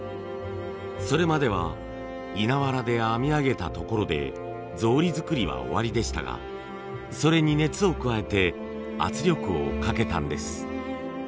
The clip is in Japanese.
それまでは稲わらで編み上げたところで草履作りは終わりでしたがそれに熱を加えて圧力をかけたんです。